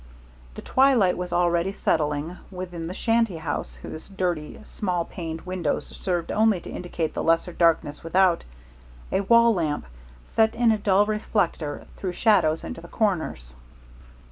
The twilight was already settling; within the shanty, whose dirty, small paned windows served only to indicate the lesser darkness without, a wall lamp, set in a dull reflector, threw shadows into the corners.